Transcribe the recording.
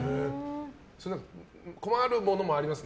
困るものもあります？